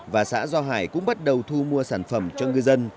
và xã do hải cũng bắt đầu thu mua sản phẩm cho ngư dân